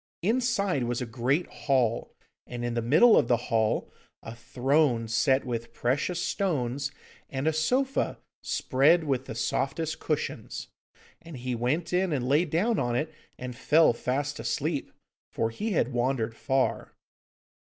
Inside was a great hall, and in the middle of the hall a throne set with precious stones and a sofa spread with the softest cushions. And he went in and lay down on it, and fell fast asleep, for he had wandered far.